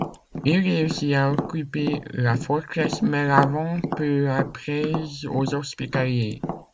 Il réussit à occuper la forteresse, mais la vend peu après aux Hospitaliers.